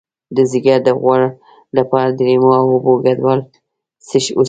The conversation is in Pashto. د ځیګر د غوړ لپاره د لیمو او اوبو ګډول وڅښئ